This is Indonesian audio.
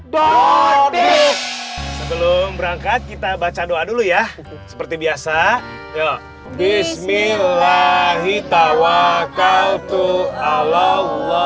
don't be sebelum berangkat kita baca doa dulu ya seperti biasa bismillah hitawah kautu allah